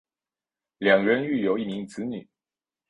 两人育有一名子女。